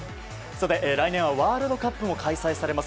来年はワールドカップも開催されます。